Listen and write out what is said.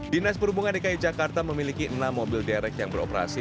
dinas perhubungan dki jakarta memiliki enam mobil derek yang beroperasi